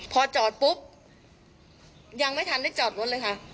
พอจอดปุ๊บยังไม่ทันได้จอดรถเลยค่ะ